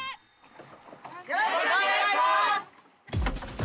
よろしくお願いします！